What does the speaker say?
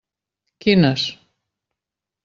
Quines?